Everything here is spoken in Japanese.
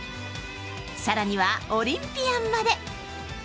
更には、オリンピアンまで。